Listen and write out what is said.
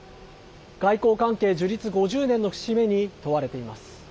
外交関係樹立５０年の節目に問われています。